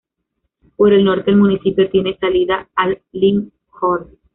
Por el norte, el municipio tiene salida al Limfjord.